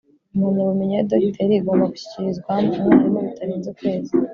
Impamyabumenyi ya dogiteri igomba gushyikirizwa umwarimu bitarenze ukwezi